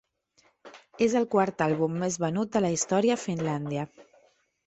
És el quart àlbum més venut de la història a Finlàndia.